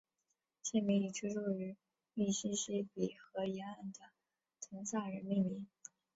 县名以居住于密西西比河沿岸的滕萨人命名。